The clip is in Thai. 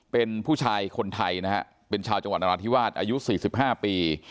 เป็นผู้ชายคนไทยนะฮะเป็นชาวจังหวัดนราธิวาสอายุ๔๕ปี